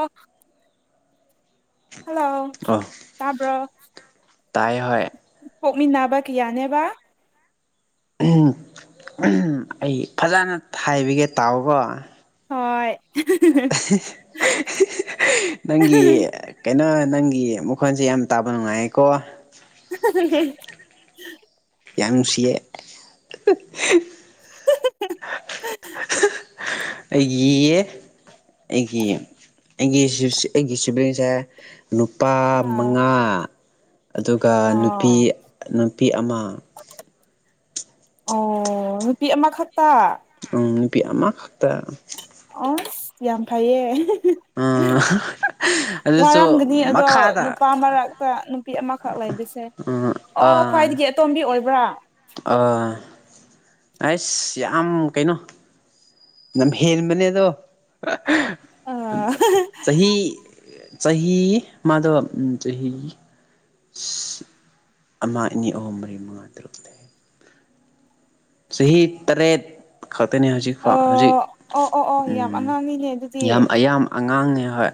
ꯑꯣ ꯍꯜꯂꯣ ꯑꯣ ꯇꯥꯕ꯭ꯔꯣ? ꯇꯥꯏ ꯍꯣꯏ ꯄꯣꯛꯃꯤꯟꯅꯕ ꯀꯤꯌꯥꯅꯦꯕ? ꯑꯩ ꯐꯖꯅ ꯍꯥꯏꯕꯤꯒꯦ ꯇꯥꯑꯣꯀꯣ ꯍꯣꯏ ꯅꯪꯒꯤ ꯀꯩꯅꯣ ꯅꯪꯒꯤ ꯈꯣꯟꯁꯦ ꯌꯥꯝ ꯇꯥꯕ ꯅꯨꯡꯉꯥꯏꯌꯦꯀꯣ [unintelligible] ꯌꯥꯝ ꯅꯨꯡꯁꯤꯌꯦ ꯑꯩꯒꯤꯌꯦ ꯑꯩꯒꯤ ꯑꯩꯒꯤ ꯑꯩꯒꯤ ꯁꯤꯕꯂꯤꯡꯁꯦ ꯅꯨꯄꯥ ꯑꯥ ꯃꯉꯥ ꯑꯗꯨꯒ ꯅꯨꯄꯤ ꯑꯥ ꯅꯨꯄꯤ ꯑꯃ ꯑꯣ ꯅꯨꯄꯤ ꯑꯃꯈꯛꯇ ꯎꯝ ꯅꯨꯄꯤ ꯑꯃ ꯈꯛꯇ ꯑꯁ ꯌꯥꯝ ꯐꯩꯌꯦ ꯑꯗꯨꯁꯨ ꯋꯥꯔꯝꯒꯅꯤ ꯑꯗꯣ ꯃꯈꯥꯗ ꯅꯨꯄꯥ ꯃꯔꯛꯇ ꯅꯨꯄꯤ ꯑꯃꯈꯛ ꯂꯩꯕꯁꯦ ꯑꯣ ꯑꯥ ꯈ꯭ꯋꯥꯏꯗꯒꯤ ꯑꯇꯣꯝꯕꯤ ꯑꯣꯏꯕ꯭ꯔꯥ ꯑꯩꯁ ꯌꯥꯝ ꯀꯩꯅꯣ ꯂꯝꯍꯦꯟꯕꯅꯦꯗꯣ ꯑꯥ ꯆꯍꯤ ꯆꯍꯤ ꯃꯥꯗꯣ ꯎꯝ ꯆꯍꯤ ꯑꯃ ꯑꯅꯤ ꯑꯍꯨꯝ ꯃꯔꯤ ꯃꯉꯥ ꯇꯔꯨꯛ ꯇꯔꯦꯠ ꯆꯍꯤ ꯇꯔꯦꯠ ꯈꯛꯇꯅꯦ ꯍꯧꯖꯤꯛꯐꯥꯎ ꯍꯧꯖꯤꯛ ꯑꯣ ꯑꯣ ꯑꯣ ꯑꯣ ꯌꯥꯝ ꯎꯝ ꯑꯉꯥꯡꯅꯤꯅꯦ ꯑꯗꯨꯗꯤ ꯌꯥꯝ ꯑꯌꯥꯝ ꯑꯉꯥꯡꯅꯦ ꯍꯣꯏ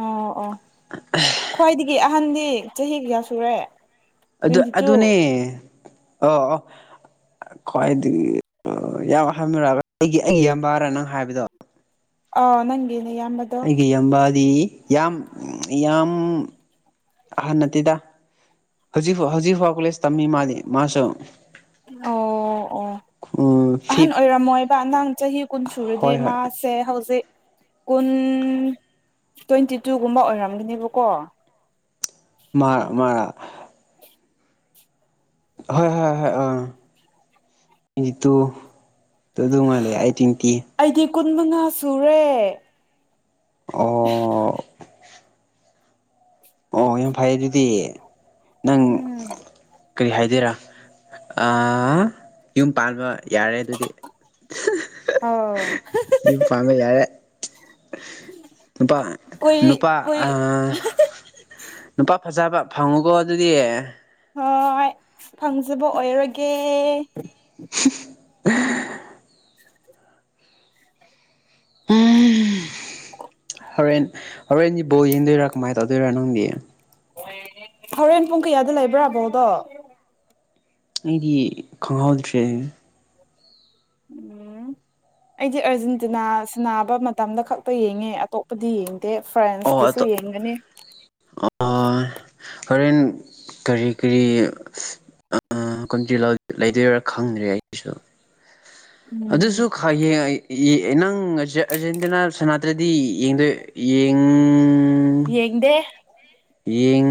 ꯑꯣ ꯑꯣ ꯈ꯭ꯋꯥꯏꯗꯒꯤ ꯑꯍꯟꯗꯤ ꯆꯍꯤ ꯀꯌꯥ ꯁꯨꯔꯦ ꯑꯗꯨ ꯇ꯭ꯋꯦꯟꯇꯤ ꯇꯨ ꯑꯗꯨꯅꯦ ꯑꯣ ꯑꯣ ꯈ꯭ꯋꯥꯏꯗꯒꯤ ꯌꯥꯝ ꯑꯍꯟꯔꯥ ꯑꯩꯒꯤ ꯑꯩꯒꯤ ꯌꯥꯝꯕꯔꯥ ꯅꯪ ꯍꯥꯏꯕꯗꯣ ꯑꯥ ꯅꯪꯒꯤ ꯅꯌꯥꯝꯕꯗꯣ ꯍꯥꯏꯗꯤ ꯌꯥꯝ ꯌꯥꯝ ꯍꯟꯅꯗꯦꯗ ꯍꯧꯖꯤꯛ ꯐꯥꯎ ꯍꯧꯖꯤꯛ ꯐꯥꯎ ꯀꯣꯂꯦꯖ ꯇꯝꯃꯤ ꯃꯥꯗꯤ ꯃꯥꯁꯨ ꯑꯣ ꯑꯣ ꯑꯍꯟ ꯐꯤꯞ ꯑꯣꯏꯔꯝꯃꯣꯏꯕ ꯅꯪ ꯆꯍꯤ ꯀꯨꯟ ꯁꯨꯔꯗꯤ ꯍꯣꯏ ꯍꯣꯏ ꯃꯥꯁꯦ ꯍꯧꯖꯤꯛ ꯀꯨꯟ ꯇ꯭ꯋꯦꯟꯇꯤ ꯇꯨꯒꯨꯝꯕ ꯑꯣꯏꯔꯝꯒꯅꯦꯕꯀꯣ ꯃꯥꯔ ꯃꯥꯔꯥ ꯍꯣꯏ ꯍꯣꯏ ꯍꯣꯏ ꯑꯥ ꯏꯇꯨ ꯑꯗꯨ ꯃꯥꯜꯂꯦ ꯑꯩ [unintelligible] ꯑꯩꯗꯤ ꯀꯨꯟ ꯃꯉꯥ ꯁꯨꯔꯦ ꯑꯣ ꯑꯣ ꯌꯥꯝ ꯐꯩ ꯑꯗꯨꯗꯤ ꯅꯪ ꯎꯝ ꯀꯔꯤ ꯍꯥꯏꯗꯣꯏꯔꯥ ꯑꯥ ꯌꯨꯝ ꯄꯥꯟꯕ ꯌꯥꯔꯦ ꯑꯗꯨꯗꯤ ꯑꯥꯎ ꯌꯨꯝ ꯄꯥꯟꯕ ꯌꯥꯔꯦ ꯅꯨꯄꯥ ꯀꯨꯏ ꯅꯨꯄꯥ ꯀꯨꯏ ꯑꯥ ꯅꯨꯄꯥ ꯐꯖꯕ ꯐꯪꯉꯨꯀꯣ ꯑꯗꯨꯗꯤ ꯍꯣꯏ ꯐꯪꯖꯕ ꯑꯣꯏꯔꯒꯦ [inaudible] [inaudible] ꯎꯝ ꯍꯣꯔꯦꯟ ꯍꯔꯦꯟꯗꯤ ꯕꯣꯜ ꯌꯦꯡꯗꯨꯔꯥ ꯀꯃꯥꯏ ꯇꯧꯗꯨꯔꯥ ꯅꯪꯗꯤ ꯍꯣꯔꯦꯟ ꯄꯨꯡ ꯀꯌꯥꯗ ꯂꯩꯕ꯭ꯔꯥ ꯕꯣꯜꯗꯣ ꯑꯩꯗꯤ ꯈꯪꯍꯧꯗ꯭ꯔꯦꯅꯦ ꯎꯝ ꯑꯩꯗꯤ ꯑꯔꯖꯦꯟꯇꯤꯅꯥ ꯁꯥꯅꯕ ꯃꯇꯝꯗ ꯈꯛꯇ ꯌꯦꯡꯉꯦ ꯑꯇꯣꯞꯄꯗꯤ ꯌꯦꯡ ꯗꯦ ꯑꯣ ꯐ꯭ꯔꯦꯟꯁꯀꯤꯁꯨ ꯌꯦꯡꯒꯅꯤ ꯍꯣꯔꯦꯟ ꯀꯔꯤ ꯀꯔꯤ ꯑꯥ [unintelligible] ꯂꯩꯗꯣꯏꯔꯥ ꯈꯪꯗ꯭ꯔꯦ ꯑꯩꯁꯨ ꯑꯗꯨꯁꯨ ꯎꯝ ꯅꯪ ꯑꯔꯖꯦꯟꯇꯤꯅꯥ ꯁꯥꯟꯅꯗ꯭ꯔꯗꯤ ꯌꯦꯡꯗꯦ ꯌꯦꯡ ꯌꯦꯡꯗꯦ ꯌꯦꯡ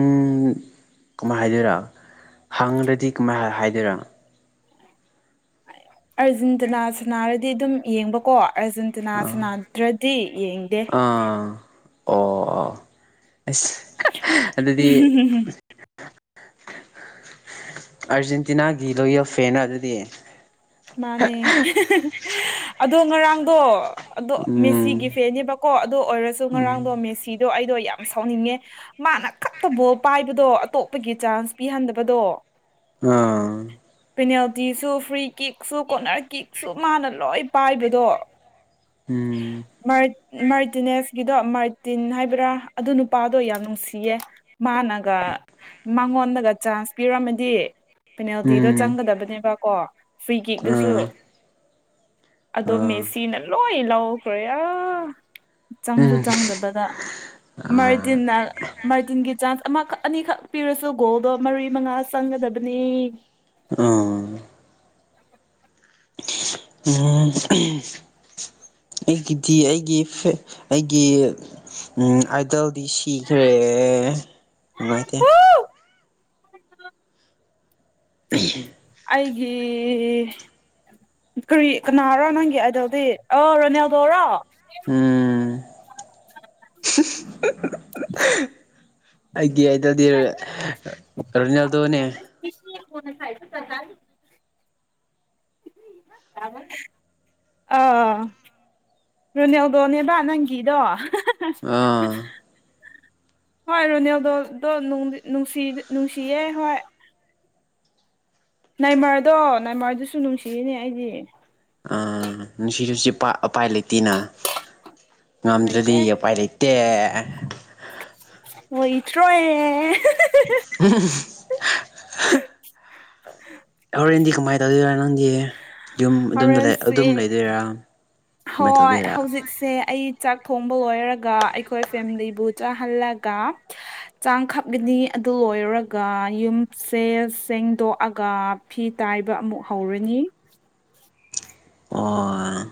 ꯀꯃꯥꯏꯅ ꯍꯥꯏꯗꯣꯏꯔꯥ ꯍꯪꯔꯗꯤ ꯀꯃꯥꯏ ꯍꯥꯏꯗꯣꯏꯔ ꯑꯔꯖꯦꯟꯇꯤꯅꯥ ꯁꯅꯥꯔꯗꯤ ꯑꯗꯨꯝ ꯌꯦꯡꯕꯀꯣ ꯑꯥꯔꯖꯦꯟꯇꯤꯅꯥ ꯑꯥ ꯁꯅꯥꯗ꯭ꯔꯗꯤ ꯌꯦꯡꯗꯦ ꯑꯥ ꯑꯣ ꯑꯁ ꯑꯗꯨꯗꯤ ꯑꯥꯔꯖꯦꯟꯇꯤꯅꯥꯒꯤ ꯂꯣꯌꯦꯜ ꯐꯦꯅ ꯔꯣ ꯑꯗꯨꯗꯤ ꯃꯥꯅꯦ ꯑꯗꯣ ꯉꯔꯥꯡꯗꯣ ꯑꯗꯣ ꯃꯦꯁꯤꯒꯤ ꯎꯝ ꯐꯦꯟꯅꯦꯕꯀꯣ ꯑꯗꯨ ꯑꯣꯏꯔꯁꯨ ꯉꯔꯥꯡꯗꯣ ꯎꯝ ꯃꯦꯁꯤꯗꯣ ꯑꯩ ꯌꯥꯝꯅ ꯁꯥꯎꯅꯤꯡꯉꯦ ꯃꯥꯅ ꯈꯛꯇ ꯕꯣꯜ ꯄꯥꯏꯕꯗꯣ ꯑꯇꯣꯞꯄꯒꯤ ꯆꯥꯟꯁ ꯄꯤꯍꯟꯗꯕꯗꯣ ꯑꯥ ꯄꯦꯅꯥꯜꯇꯤꯁꯨ ꯐ꯭ꯔꯤ ꯀꯤꯛꯁꯨ ꯀꯣꯅꯔ ꯀꯤꯛꯁꯨ ꯃꯥꯅ ꯂꯣꯏ ꯄꯥꯏꯕꯗꯣ ꯎꯝ ꯃꯥꯔꯇꯤꯅꯦꯁꯀꯤꯗꯣ ꯃꯥꯔꯇꯤꯟ ꯍꯥꯏꯕ꯭ꯔꯥ ꯑꯗꯨ ꯅꯨꯄꯥꯗꯣ ꯌꯥꯝ ꯅꯨꯡꯁꯤꯌꯦ ꯃꯥꯅꯒ ꯃꯉꯣꯟꯗꯒ ꯆꯥꯟꯁ ꯄꯤꯔꯝꯃꯗꯤ ꯄꯦꯅꯥꯜꯇꯤꯗꯣ ꯎꯝ ꯆꯪꯒꯗꯕꯅꯦꯕꯀꯣ ꯐ꯭ꯔꯤ ꯀꯤꯛꯗꯨꯁꯨ ꯑꯥ ꯑꯗꯣ ꯑꯥ ꯃꯦꯁꯤꯅ ꯂꯣꯏ ꯂꯧꯈ꯭ꯔꯦ ꯑꯥ ꯆꯪꯁꯨ ꯎꯝ ꯆꯪꯗꯕꯗ ꯑꯥ ꯃꯥꯔꯇꯤꯟꯅ ꯃꯥꯔꯇꯤꯟꯒꯤ ꯆꯥꯟꯖ ꯑꯃꯈꯛ ꯑꯅꯤꯈꯛ ꯄꯤꯔꯁꯨ ꯒꯣꯜꯗꯣ ꯃꯔꯤ ꯃꯉꯥ ꯆꯪꯒꯗꯕꯅꯤ ꯑꯥ ꯎꯝ ꯑꯩꯒꯤꯗꯤ ꯑꯩꯒꯤ ꯐꯦꯛ ꯑꯩꯒꯤ ꯎꯝ ꯑꯥꯏꯗꯜꯗꯤ ꯁꯤꯈ꯭ꯔꯦ ꯅꯨꯡꯉꯥꯏꯇꯦ ꯍꯨ [inaudible] [unintelligible] ꯍꯦ ꯀꯔꯤ ꯀꯅꯥꯔꯣ ꯅꯪꯒꯤ ꯑꯥꯏꯗꯜꯗꯤ ꯑꯥ ꯔꯣꯅꯦꯜꯗꯣꯔꯣ ꯎꯝ [unintelligible] ꯑꯩꯒꯤ ꯑꯥꯏꯗꯜꯗꯤ ꯔꯣꯅꯦꯜꯗꯣꯅꯦ [unintelligible] ꯑꯥ ꯔꯣꯅꯦꯜꯗꯣꯅꯦꯕ ꯅꯪꯒꯤꯗꯣ ꯑꯥ ꯍꯣꯏ ꯔꯣꯅꯦꯜꯗꯣꯗꯣ ꯅꯨꯡꯁꯤ ꯅꯨꯡꯁꯤꯌꯦ ꯍꯣꯏ ꯅꯥꯏꯃꯔꯗꯣ ꯅꯥꯏꯃꯔꯗꯨꯁꯨ ꯅꯨꯡꯁꯤꯌꯦꯅꯦ ꯑꯩꯗꯤ ꯑꯥ ꯅꯨꯡꯁꯤꯔꯁꯨ ꯄ ꯑꯄꯥꯏ ꯂꯩꯇꯦꯅ ꯉꯝꯗ꯭ꯔꯗꯤ ꯑꯄꯥꯏ ꯂꯩꯇꯦ ꯂꯣꯏꯇ꯭ꯔꯦ ꯎꯝ [unintelligible] ꯑꯦ ꯌꯨꯝ ꯑꯗꯨꯝ ꯍꯣꯔꯦꯟꯁꯦ ꯑꯗꯨꯝ ꯂꯩꯗꯣꯏꯔꯥ ꯀꯃꯥꯏꯅ ꯍꯣꯏ ꯇꯧꯗꯣꯏꯔꯥ ꯍꯧꯖꯤꯛꯁꯦ ꯑꯩ ꯆꯥꯛ ꯊꯣꯡꯕ ꯂꯣꯏꯔꯒ ꯑꯩꯈꯣꯏ ꯐꯦꯃꯤꯂꯤꯕꯨ ꯆꯥꯍꯜꯂꯒ ꯆꯥꯡ ꯀꯞꯒꯅꯤ ꯑꯗꯨ ꯂꯣꯏꯔꯒ ꯌꯨꯝꯁꯦ ꯁꯦꯡꯗꯣꯛꯑꯒ ꯐꯤ ꯇꯥꯏꯕ ꯑꯃꯨꯛ ꯍꯧꯔꯅꯤ [inaudible] ꯑꯣ ꯑ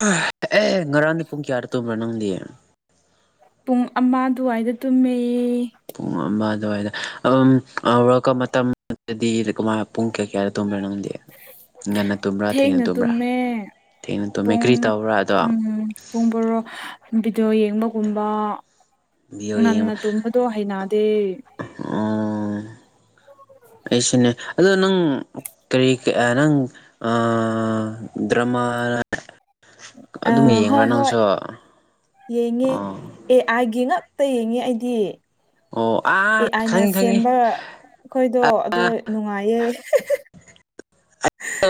[unintelligible] ꯑꯦ ꯉꯔꯥꯡꯗꯤ ꯄꯨꯡ ꯀꯌꯥꯗ ꯇꯨꯝꯕ꯭ꯔꯥ ꯅꯪꯗꯤ? ꯄꯨꯡ ꯑꯃ ꯑꯗꯨꯋꯥꯏꯗ ꯇꯨꯝꯃꯦ꯫ ꯄꯨꯡ ꯑꯃ ꯑꯗꯨꯋꯥꯏꯗ ꯑꯗꯨꯝ ꯑ ꯋꯥꯔꯜ ꯃꯇꯝꯗꯨꯗꯗꯤ ꯀꯃꯥꯏ ꯄꯨꯡ ꯀꯌꯥ ꯀꯌꯥꯗ ꯇꯨꯝꯕ꯭ꯔ ꯅꯪ? ꯊꯦꯡꯅ ꯇꯨꯝꯃꯦ꯫ ꯊꯦꯡꯅ ꯇꯨꯝꯃꯦ ꯄꯨꯡ ꯀ꯭ꯔꯤ ꯇꯧꯕ꯭ꯔꯥ ꯑꯗꯣ ꯎꯝ ꯄꯨꯡ ꯕꯔꯣ ꯚꯤꯗꯤꯑꯣ ꯌꯦꯡꯕꯒꯨꯝꯕ ꯚꯤꯗꯤꯑꯣ ꯉꯟꯅ ꯌꯦꯡꯕ ꯇꯨꯝꯕꯗꯣ ꯍꯩꯅꯗꯦ꯫ ꯑꯣ ꯑꯩꯁꯨꯅꯦ ꯑꯗꯣ ꯅꯪ ꯀꯔꯤ ꯑ ꯅꯪ ꯑꯥ ꯗ꯭ꯔꯃꯥ ꯑ ꯑꯗꯨꯝ ꯍꯣꯏ ꯌꯦꯡꯕ꯭ꯔꯥ ꯍꯣꯏ ꯅꯪꯁꯨ ꯌꯦꯡꯉꯦ ꯑꯣ ꯑꯦ ꯑꯩꯥꯏꯒꯤ ꯉꯛ ꯇ ꯌꯦꯡꯉꯦ ꯑꯩꯗꯤ꯫ ꯑꯣ ꯑꯦ ꯑꯥ ꯑꯥꯏꯅ ꯈꯪꯉꯤ ꯈꯪꯉꯤ ꯁꯦꯝꯕ ꯑꯩꯈꯣꯏꯗꯣ ꯗꯣ ꯅꯨꯡꯉꯥꯏꯌꯦ꯫ [unintelligible]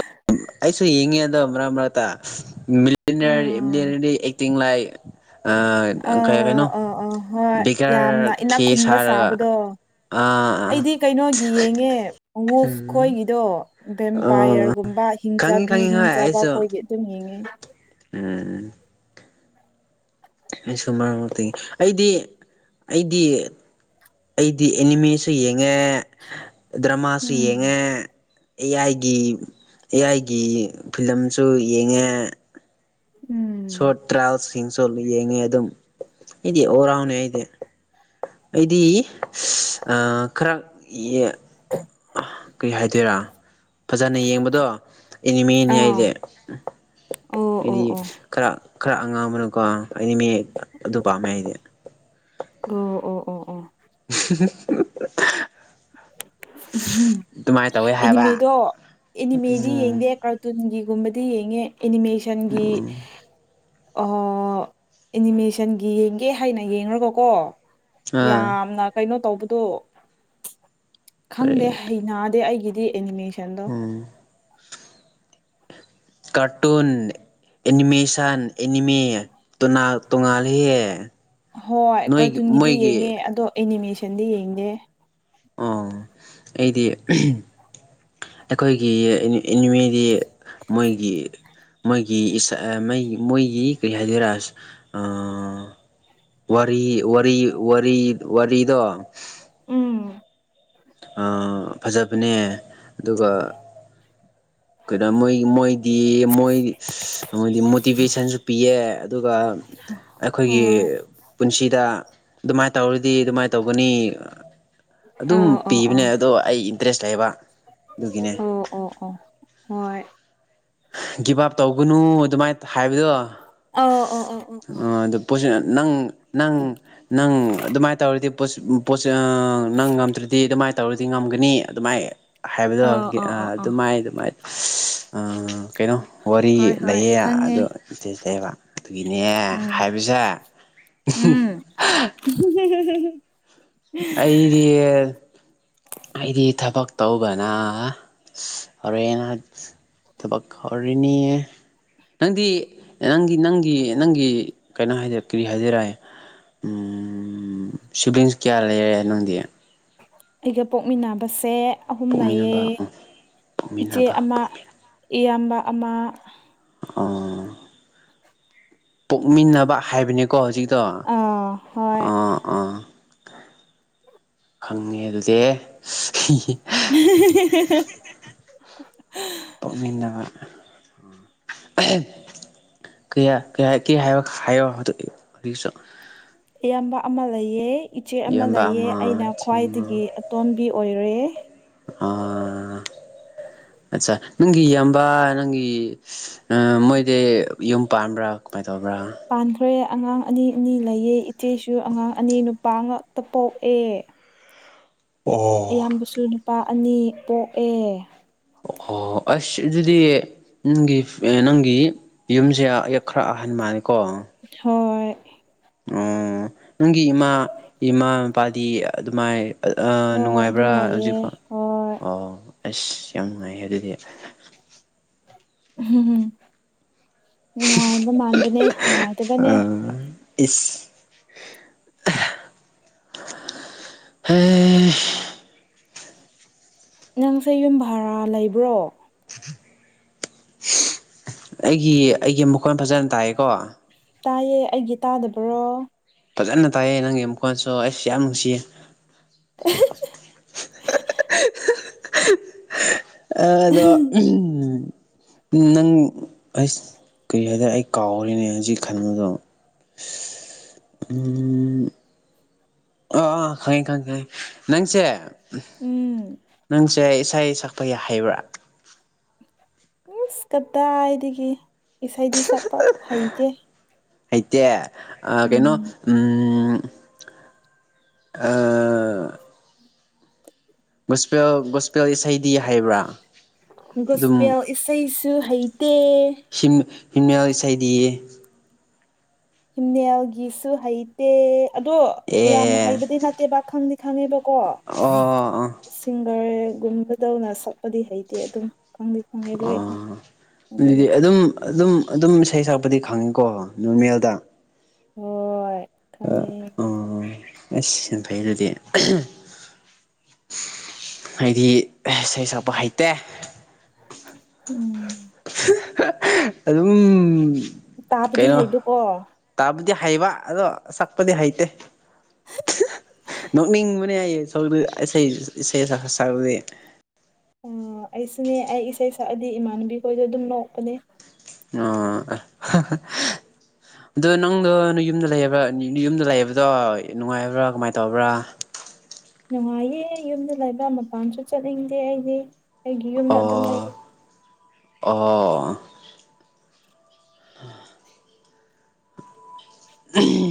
ꯑꯩꯁꯨ ꯌꯦꯡꯉꯤ ꯑꯗꯣ ꯃꯔꯛ ꯃꯔꯛꯇ ꯎꯝ ꯃꯤꯂꯤꯅꯔ [unintelligible] ꯑꯦꯛꯇꯤꯡ ꯂꯥꯏꯛ [unintelligible] ꯑ ꯀꯩ ꯀꯩꯅꯣ ꯑꯣ ꯑꯣ ꯍꯣꯏ ꯌꯥꯝꯅ ꯕꯤꯒꯔ ꯏꯅꯥꯛ ꯈꯤ ꯈꯨꯟꯕ ꯁꯥꯔꯒ ꯁꯥꯕꯗꯣ ꯑꯥ ꯑꯥ ꯑꯩꯗꯤ ꯀꯩꯅꯣꯒꯤ ꯌꯦꯡꯉꯦ ꯋꯨꯐ ꯎꯝ ꯈꯣꯏꯒꯤꯗꯣ ꯑꯣ ꯕꯦꯝꯄꯥꯌꯔꯒꯨꯝꯕ ꯍꯤꯡ ꯈꯪꯉꯤ ꯆꯥꯕꯤ ꯈꯪꯉꯤ ꯍꯤꯡ ꯍꯣꯏ ꯆꯥꯕ ꯑꯩꯁꯨ ꯀꯣꯏꯒꯤ ꯑꯗꯨꯝ ꯌꯦꯡꯉꯦ ꯎꯝ ꯑꯩꯁꯨ ꯃꯔꯛ ꯃꯔꯛꯇꯒꯤ ꯑꯩꯗꯤ ꯑꯩꯗꯤ ꯑꯩꯗꯤ ꯑꯦꯅꯤꯃꯦꯁꯨ ꯌꯦꯡꯉꯦ, ꯗ꯭ꯔꯃꯥꯁꯨ ꯎꯝ ꯌꯦꯡꯉꯦ꯫ ꯑꯦꯌꯥꯏꯒꯤ ꯑꯦꯌꯥꯏꯒꯤ ꯐꯤꯂꯝꯁꯨ ꯌꯦꯡꯉꯦ ꯎꯝ ꯁꯣꯔꯠ ꯇ꯭ꯔꯥꯏꯌꯦꯜꯁꯤꯡꯁꯨ ꯌꯦꯡꯉꯦ ꯑꯗꯨꯝ ꯑꯩꯗꯤ ꯑꯣꯔꯥꯎꯅꯦ ꯑꯩꯗꯤ ꯑꯩꯗꯤ [unintelligible] ꯑ ꯈꯔ ꯌꯦ [unintelligible] ꯀꯩ ꯍꯥꯏꯗꯣꯏꯔꯥ ꯐꯖꯅ ꯌꯦꯡꯕꯗꯣ ꯑꯦꯅꯤꯃꯦꯅꯤ ꯑꯥ ꯑꯩꯗꯤ꯫ ꯑꯣ ꯑꯣ ꯑꯩꯗꯤ ꯑꯣ ꯈꯔꯥ ꯈꯔꯥ ꯑꯉꯥꯡꯕꯗꯨꯀꯣ ꯑꯦꯅꯤꯃꯦ ꯑꯗꯨ ꯄꯥꯝꯃꯦ ꯑꯩꯗꯤ꯫ ꯗꯣ ꯑꯣ ꯑꯣ ꯑꯣ [unintelligible] [unintelligible] ꯑꯗꯨꯃꯥꯏꯅ ꯇꯧꯋꯦ ꯍꯥꯏꯕ ꯑꯦꯅꯤꯃꯦꯗꯣ ꯑꯦꯅꯤꯃꯦꯗꯤ ꯎꯝ ꯌꯦꯡꯗꯦ ꯀꯥꯔꯇꯨꯟꯒꯤ ꯒꯨꯝꯕꯗꯤ ꯌꯦꯡꯉꯦ ꯑꯦꯅꯤꯃꯦꯁꯟꯒꯤ ꯍꯣ ꯑꯦꯅꯤꯃꯦꯁꯟꯒꯤ ꯌꯦꯡꯒꯦ ꯍꯥꯏꯅ ꯌꯦꯡꯔꯒꯀꯣ ꯑꯥ ꯌꯥꯝꯅ ꯀꯩꯅꯣ ꯇꯧꯕꯗꯣ ꯈꯪꯗꯦ ꯀꯔꯤ ꯍꯩꯅꯗꯦ ꯑꯩꯒꯤꯗꯤ ꯑꯦꯅꯤꯃꯦꯁꯟꯗꯣ ꯎꯝ ꯀꯥꯔꯇꯨꯟ ꯑꯦꯅꯤꯃꯦꯁꯟ ꯑꯦꯅꯤꯃꯦ ꯇꯣꯅꯥꯜ ꯇꯣꯉꯥꯜꯂꯤꯍꯦ꯫ ꯍꯣꯏ ꯅꯣꯏꯒꯤ ꯀꯥꯔꯇꯨꯟꯒꯤꯗꯤ ꯃꯣꯏꯒꯤ ꯌꯦꯡꯉꯦ ꯑꯗꯣ ꯑꯦꯅꯤꯃꯦꯁꯟꯗꯤ ꯌꯦꯡꯗꯦ꯫ ꯑꯣ ꯑꯩꯗꯤ [unintelligible] ꯑꯩꯈꯣꯏꯒꯤ ꯑꯦꯅꯤ ꯑꯦꯅꯤꯃꯦꯗꯤ ꯃꯣꯏꯒꯤ ꯃꯣꯏꯒꯤ ꯏꯁ ꯑ ꯃꯩ ꯃꯣꯏꯒꯤ ꯀꯩ ꯍꯥꯏꯗꯨꯏꯔꯥ ꯑ ꯋꯥꯔꯤ ꯋꯥꯔꯤ ꯋꯥꯔꯤ ꯋꯥꯔꯤꯗꯣ ꯎꯝ ꯑ ꯐꯖꯕꯅꯦ ꯑꯗꯨꯒ ꯀꯩꯗ ꯃꯣꯏ ꯃꯣꯏ ꯗꯤ ꯃꯣꯏ ꯑꯃꯗꯤ ꯃꯣꯇꯤꯚꯦꯁꯟꯁꯨ ꯄꯤꯌꯦ ꯑꯗꯨꯒ ꯑꯩꯈꯣꯏꯒꯤ ꯍꯣꯏ ꯄꯨꯟꯁꯤꯗ ꯑꯗꯨꯃꯥꯏꯅ ꯇꯧꯔꯗꯤ ꯑꯗꯨꯃꯥꯏꯅ ꯇꯧꯒꯅꯤ ꯑ ꯑꯗꯨꯝ ꯑ ꯑ ꯄꯤꯕꯅꯦ ꯑꯗꯣ ꯑꯩ ꯇꯔꯦꯁ ꯂꯩꯕ ꯑꯗꯨꯒꯤꯅꯦ ꯑꯣ ꯑꯣ ꯑꯣ ꯍꯣꯏ ꯒꯤꯞ ꯑꯞ ꯇꯧꯒꯅꯨ ꯑꯗꯨꯃꯥꯏꯅ ꯍꯥꯏꯕꯗꯣ ꯑꯣ ꯑꯣ ꯑꯣ ꯑꯣ ꯑꯗꯨ ꯄꯣꯠꯁꯤ ꯅꯪ ꯅꯪ ꯅꯪ ꯑꯗꯨꯃꯥꯏꯅ ꯇꯧꯔꯗꯤ ꯄꯣꯁ ꯄꯣꯁꯁꯥ ꯑ ꯅꯪ ꯉꯝꯗ꯭ꯔꯗꯤ ꯑꯗꯨꯃꯥꯏꯅ ꯇꯧꯔꯗꯤ ꯉꯝꯒꯅꯤ ꯑꯗꯨꯃꯥꯏ ꯍꯥꯏꯕꯗꯣ ꯑꯣ ꯑꯣ ꯑꯣ ꯑ ꯑꯣ ꯑꯣ ꯑꯗꯨꯃꯥꯏ ꯑꯗꯨꯃꯥꯏꯅ ꯑꯁ ꯑ ꯀꯩꯅꯣ ꯋꯥꯔꯤ ꯍꯣꯏ ꯍꯣꯏ ꯂꯩꯌꯦꯅ ꯈꯪꯉꯦ ꯑꯗꯨ ꯏꯁꯇꯦꯁ ꯂꯩꯌꯦꯕ ꯑꯗꯨꯒꯤꯅꯦ ꯎꯝ ꯍꯥꯏꯕꯁꯦ ꯎꯝ ꯢꯍꯤꯍꯦ ꯑꯩꯗꯤ ꯑꯩꯗꯤ ꯊꯕꯛ ꯇꯧꯕꯅ ꯍꯣꯔꯦꯟ ꯊꯕꯛ ꯍꯧ ꯔꯤꯅꯤ ꯅꯪꯗꯤ ꯅꯪꯒꯤ ꯅꯪꯒꯤ ꯅꯪꯒꯤ ꯀꯩꯅꯣ ꯍꯥꯏꯗꯣꯢ ꯀꯔꯤ ꯍꯥꯏꯖꯦꯔꯍꯦ ꯎꯝ ꯁꯤꯕ꯭ꯂꯤꯡꯁ ꯀꯌꯥ ꯂꯩꯔꯦ ꯅꯪꯗꯤ ꯑꯩꯒ ꯄꯣꯛꯃꯤꯟꯅꯕꯁꯦ ꯑꯍꯨꯝ ꯂꯩꯌꯦ ꯄꯣꯛꯃꯤꯟꯅꯕ ꯎꯝ ꯏꯆꯦ ꯄꯣꯛꯃꯤꯟꯅꯕ ꯑꯃ ꯄꯣꯛꯃꯤꯟꯅꯕ ꯏꯌꯥꯝꯕ ꯑꯃ ꯑꯣ ꯄꯣꯛꯃꯤꯟꯅꯕ ꯍꯥꯏꯕꯅꯦꯀꯣ ꯍꯧꯖꯤꯛꯇꯣ ꯑꯥ ꯍꯣꯏ ꯑꯣ ꯑꯣ ꯈꯪꯉꯦ ꯑꯗꯨꯗꯤ ꯍꯤꯍꯤ ꯎꯝ ꯍꯦꯍꯦꯍꯦ ꯄꯣꯛꯃꯤꯟꯅ ꯑ ꯍꯦꯝ ꯀꯌꯥ ꯀꯌꯥꯗꯤ ꯍꯥꯢꯌꯣ ꯍꯥꯏꯌꯣ ꯑꯗꯨꯗꯤ ꯍꯧꯒꯤꯛꯁꯨ ꯢꯌꯥꯝꯕ ꯑꯃ ꯂꯩꯌꯦ ꯏꯆꯦ ꯑꯃ ꯏꯌꯥꯝꯕ ꯂꯩꯌꯦ ꯑꯩꯅ ꯏꯆꯦ ꯑꯃ ꯈ꯭ꯋꯥꯏꯗꯒꯤ ꯑꯇꯣꯟꯕꯤ ꯑꯣꯏ ꯔꯦ ꯑꯥ ꯑꯆꯥ ꯅꯪꯒꯤ ꯌꯥꯝꯕꯥ ꯅꯪꯒꯤ ꯑ ꯃꯣꯏ ꯗꯦ ꯌꯨꯝ ꯄꯥꯟꯕ꯭ꯔꯥ ꯀꯃꯥꯏꯅ ꯇꯧꯕ꯭ꯔꯥ ꯄꯥꯟꯈ꯭ꯔꯦ ꯑꯉꯥꯡ ꯑꯅꯤ ꯑꯅꯤ ꯂꯩꯌꯦ ꯏꯆꯦꯁꯨ ꯑꯉꯥꯡ ꯑꯅꯤ ꯅꯨꯄꯥ ꯉꯛꯇ ꯄꯣꯛꯑꯦ ꯑꯌꯥꯝꯕꯁꯨ ꯅꯨꯄꯥ ꯑꯅꯤ ꯄꯣꯛꯑꯦ ꯑꯣ ꯑꯩꯁ ꯑꯗꯨꯗꯤ ꯅꯪꯒꯤ ꯅꯪꯒꯤ ꯌꯨꯝꯁꯦ ꯑꯌꯛ ꯈꯔ ꯑꯍꯟ ꯃꯥꯜꯂꯦꯀꯣ ꯍꯣꯏ ꯑꯣ ꯅꯪꯒꯤ ꯏꯃꯥ ꯏꯃꯥ ꯃꯄꯥꯗꯤ ꯑꯗꯨꯃꯥꯏ ꯑ ꯍꯣꯏ ꯑꯗꯨꯝ ꯅꯨꯡꯉꯥꯏꯕ꯭ꯔꯥ ꯂꯩꯌꯦ ꯍꯧꯖꯤꯛꯐꯥꯎ ꯍꯣꯏ ꯑꯣ ꯑꯩꯁ ꯌꯥꯝ ꯅꯨꯡꯉꯥꯏꯌꯦ ꯑꯗꯨꯗꯤ ꯎꯝ ꯍꯝ ꯍꯝ ꯅꯨꯡꯉꯥꯏꯕ ꯃꯥꯟꯕꯅꯦ ꯅꯨꯡꯉꯥꯏꯇꯕꯅꯦ ꯏꯁ ꯑ ꯍꯩ ꯅꯪꯁꯦ ꯌꯨꯝ ꯚꯔꯥ ꯂꯩꯕ꯭ꯔꯣ ꯑꯩꯒꯤ ꯑꯩꯒꯤ ꯃꯈꯣꯟ ꯐꯖꯅ ꯇꯥꯏꯌꯦꯀꯣ ꯇꯥꯏꯌꯦ ꯑꯩꯒꯤ ꯇꯥꯗꯕ꯭ꯔꯣ ꯐꯖꯅ ꯇꯥꯏꯌꯦ ꯅꯪꯒꯤ ꯃꯈꯣꯟꯁꯨ ꯑꯩꯁ ꯌꯥꯝ ꯅꯨꯡꯁꯤꯌꯦ [unintelligible] ꯑꯥ ꯑꯗꯣ ꯎꯝ ꯅꯪ ꯑꯩꯆ ꯀꯔꯤ ꯍꯥꯏꯗꯨꯔ ꯑꯩ ꯀꯥꯎꯔꯦꯅꯦ ꯍꯧꯖꯤꯛ ꯈꯟꯕꯗꯣ [inaudible] ꯎꯝ ꯑꯥ ꯑꯥ ꯈꯪꯉꯦ ꯈꯪꯉꯦ ꯈꯪꯉꯦ ꯅꯪꯁꯦ ꯎꯝ ꯎꯝ ꯅꯪꯁꯦ ꯢꯁ ꯏꯁꯩꯥ ꯁꯛꯄ ꯌꯥꯏ ꯍꯩꯕ꯭ꯔꯥ ꯢꯁ ꯀꯗꯥꯏꯗꯒꯤ ꯏꯁꯩꯗꯤ ꯁꯛꯄ ꯍꯩꯇꯦ ꯍꯩꯇꯦ ꯑꯥ ꯀꯩꯅꯣ ꯎꯝ ꯎꯝ ꯑꯥ ꯒꯣꯁꯄꯦꯜ ꯒꯣꯁꯄꯦꯜ ꯏꯁꯩꯗꯤ ꯍꯩꯕ꯭ꯔꯥ ꯑꯗꯨꯝ ꯒꯣꯁꯄꯦꯜ ꯏꯁꯩꯁꯨ ꯍꯩꯇꯦ ꯍꯤꯝꯅꯦꯜ ꯏꯁꯩꯗꯤ ꯍꯤꯝꯅꯦꯜꯒꯤꯁꯨ ꯍꯩꯇꯦ ꯑꯗꯣ ꯌꯥꯝꯅ ꯑꯦ ꯍꯩꯕꯗꯤ ꯅꯠꯇꯦꯕ ꯈꯪꯗꯤ ꯈꯪꯉꯦꯕꯀꯣ ꯑꯣ ꯑꯣ ꯁꯤꯡ ꯀꯔꯦꯒꯨꯝꯕꯗꯧꯅ ꯁꯛꯄꯗꯤ ꯍꯩꯇꯦ ꯑꯗꯨꯝ ꯈꯪꯗꯤ ꯈꯪꯉꯦ ꯂꯣꯏ ꯑꯥ ꯈꯪꯕꯗꯤ ꯅꯣꯏꯗꯤ ꯑꯗꯨꯝ ꯑꯗꯨꯝ ꯑꯗꯨꯝ ꯏꯁꯩ ꯁꯛꯄꯗꯤ ꯈꯪꯉꯤꯀꯣ ꯅꯨꯃꯦꯜꯗ ꯍꯣꯏ ꯈꯪꯉꯦ ꯑꯁ ꯌꯥꯝ ꯐꯩ ꯑꯗꯨꯗꯤ [unintelligible] ꯍꯥꯏꯗꯤ ꯑꯩꯆ ꯏꯁꯩ ꯁꯛꯄ ꯍꯩꯇꯦ ꯎꯝ [unintelligible] ꯑꯗꯨꯝ ꯇꯥꯕꯗꯤ ꯍꯩꯕꯀꯣ ꯗꯤ ꯍꯩꯕ ꯑꯗꯣ ꯁꯛꯄꯗꯤ ꯍꯩꯇꯦ [unintelligible] ꯅꯣꯛꯅꯤꯡꯕꯅꯦ ꯍꯥꯏꯌꯦ ꯁꯧꯗꯤ ꯑꯁꯩ ꯏꯁꯩ ꯁꯛꯄ ꯁꯛꯄꯗꯤ ꯎꯝ ꯑꯩꯁꯨꯅꯦ ꯑꯩ ꯏꯁꯩ ꯁꯛꯑꯗꯤ ꯏꯃꯥꯟꯅꯕꯤ ꯈꯣꯏꯗꯣ ꯑꯗꯨꯝ ꯅꯣꯛꯄꯅꯦ ꯑꯣ ꯍꯥ ꯍꯥ ꯑꯗꯣ ꯅꯪꯗꯣ ꯅꯌꯨꯝꯗ ꯂꯩꯕ꯭ꯔꯥ ꯅꯌꯨꯝꯗ ꯂꯩꯕꯗꯣ ꯅꯨꯡꯉꯥꯏꯕ꯭ꯔꯥ ꯀꯃꯥꯏ ꯇꯧꯕ꯭ꯔꯥ ꯅꯨꯡꯉꯥꯏꯌꯦ ꯌꯨꯝꯗ ꯂꯩꯕꯥ ꯃꯄꯥꯟꯁꯨ ꯆꯠꯅꯤꯡꯗꯦ ꯑꯩꯗꯤ ꯑꯩꯒꯤ ꯌꯨꯝꯗ ꯑꯗꯨꯝ ꯂꯩ ꯑꯥ [inaudible] ꯎꯝ